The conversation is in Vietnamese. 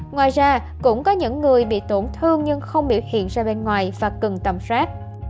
ngoài ra cũng có những người bị tổn thương nhưng không biểu hiện ra bên ngoài và cần tầm soát